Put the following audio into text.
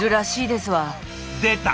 出た！